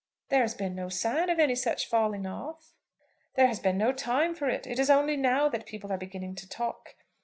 "There has been no sign of any such falling off?" "There has been no time for it. It is only now that people are beginning to talk.